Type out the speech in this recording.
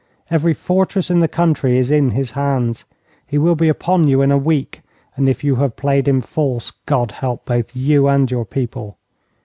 Every fortress in the country is in his hands. He will be upon you in a week, and if you have played him false, God help both you and your people.